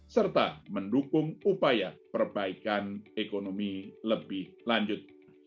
serta mendukung upaya perbaikan ekonomi lebih lanjut